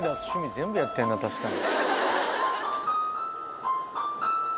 全部やってんな確かに。